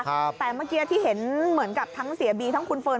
แต่เมื่อกี้ที่เห็นเหมือนกับทั้งเสียบีทั้งคุณเฟิร์